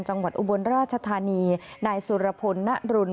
จังหวัดอุบลราชธานีนายสุรพนนรุน